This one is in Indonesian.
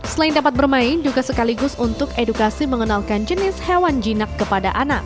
selain dapat bermain juga sekaligus untuk edukasi mengenalkan jenis hewan jinak kepada anak